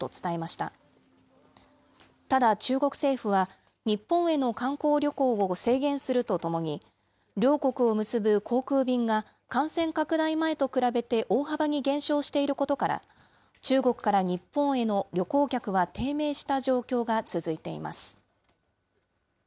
ただ、中国政府は、日本への観光旅行を制限するとともに、両国を結ぶ航空便が感染拡大前と比べて大幅に減少していることから、中国から日本への旅行客は低迷した状況が続いています。